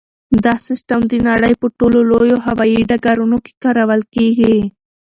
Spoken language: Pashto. دا سیسټم د نړۍ په ټولو لویو هوایي ډګرونو کې کارول کیږي.